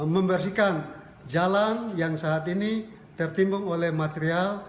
membersihkan jalan yang saat ini tertimbun oleh material